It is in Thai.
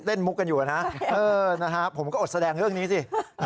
เออนะครับผมก็อดแสดงเรื่องนี้สิ